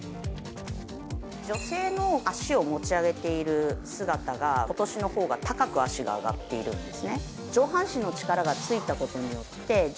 女性の足を持ち上げている姿が今年のほうが高く足が上がっているんです。